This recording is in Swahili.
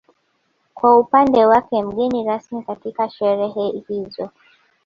Kwa upande wake mgeni rasmi katika sherehe hizo